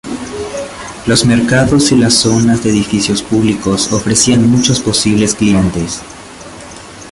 Los mercados y las zonas de edificios públicos ofrecían muchos posibles clientes.